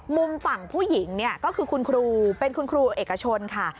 มุมฝั่งผู้หญิงเนี่ยก็คือคุณครูเป็นคุณครูเอกชนค่ะ